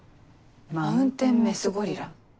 マウンテンメスゴリラ。